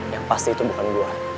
yang pasti itu bukan buat